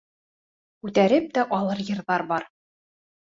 Күтәреп тә алыр йырҙар бар.